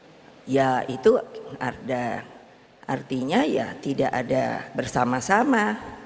jadi saya bilang ya itu ada artinya ya tidak ada bersama sama